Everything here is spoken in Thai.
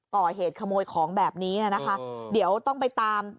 ก่อเหตุขโมยของแบบนี้นะคะเดี๋ยวต้องไปตาม